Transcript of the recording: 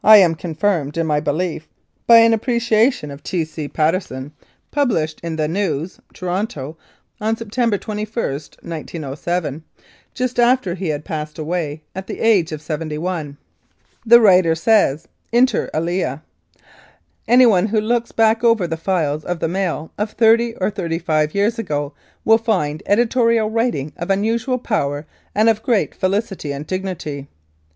I am con firmed in my belief by an appreciation of T. C. Patteson 62 1888 89. Lethbridge published in The News, Toronto, on September 21, 1907, just after he had passed away at the age of seventy one. The writer says, inter alia, "Anyone who looks back over the files of The Matt of thirty or thirty five years ago will find editorial writing of unusual power and of great felicity and dignity.